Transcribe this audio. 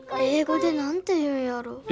英語で何て言うんやろ。